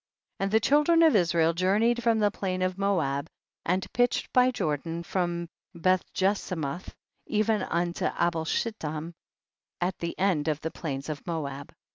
5L And the children of Israel journeyed from the plain of Moab, and pitched by Jordan, from Beth jesimoth even unto Abel shiltim, at the end of the plains of Moab.